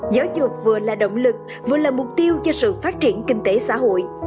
giáo dục vừa là động lực vừa là mục tiêu cho sự phát triển kinh tế xã hội